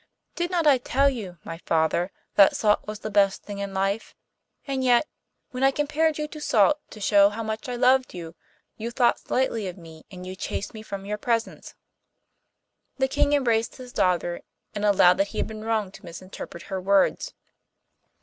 'Did not I tell you, my father, that salt was the best thing in life? And yet, when I compared you to salt, to show how much I loved you, you thought slightingly of me and you chased me from your presence.' The King embraced his daughter, and allowed that he had been wrong to misinterpret her words.